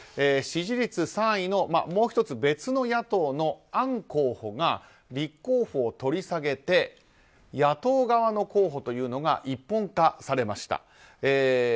支持率３位のもう１つ別の野党のアン候補が立候補を取り下げて野党側の候補というのが一本化されました。